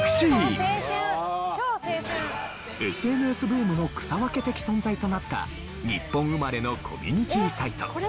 ＳＮＳブームの草分け的存在となった日本生まれのコミュニティーサイト。